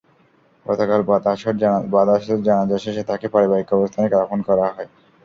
গতকাল বাদ আসর জানাজা শেষে তাঁকে পারিবারিক কবরস্থানে দাফন করা হয়।